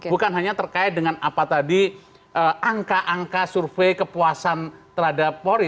bukan hanya terkait dengan apa tadi angka angka survei kepuasan terhadap polri